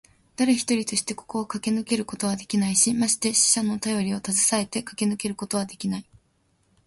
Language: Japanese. だれ一人としてここをかけ抜けることはできないし、まして死者のたよりをたずさえてかけ抜けることはできない。